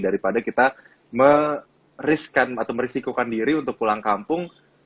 daripada kita merisikokan diri untuk pulang kampung